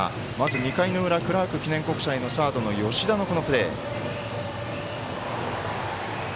２回の裏、クラーク記念国際サードの吉田のこのプレー。